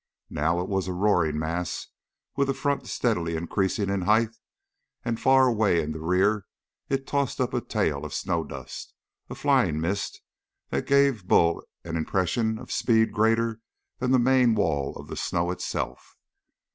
Now it was a roaring mass with a front steadily increasing in height, and far away in the rear it tossed up a tail of snow dust, a flying mist that gave Bull an impression of speed greater than the main wall of the snow itself.